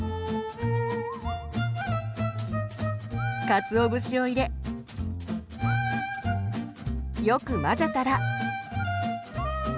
かつお節を入れよく混ぜたら。